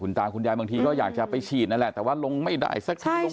ตาคุณยายบางทีก็อยากจะไปฉีดนั่นแหละแต่ว่าลงไม่ได้สักทีลง